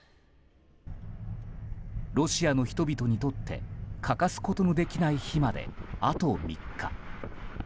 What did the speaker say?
ロシアの人々にとって欠かすことのできない日まであと３日。